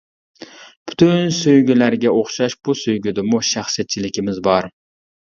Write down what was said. پۈتۈن سۆيگۈلەرگە ئوخشاش بۇ سۆيگۈدىمۇ شەخسىيەتچىلىكىمىز بار.